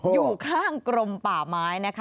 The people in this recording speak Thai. อยู่ข้างกรมป่าไม้นะคะ